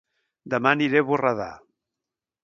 Dema aniré a Borredà